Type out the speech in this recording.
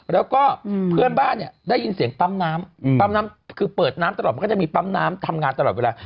แล้วก็เพื่อนบ้านเนี่ยได้ยินเสียงปั๊มน้ำปั๊มน้ำคือเปิดน้ำตลอดมันก็จะมีปั๊มน้ำทำงานตลอดเวลา